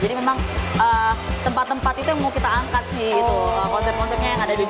jadi memang tempat tempat itu yang mau kita angkat sih itu konsep konsepnya yang ada di bxc